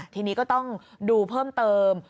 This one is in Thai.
ทีนี้ก็ต้องดูเพิ่มเติม